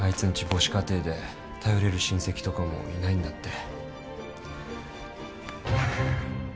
母子家庭で頼れる親戚とかもいないんだって。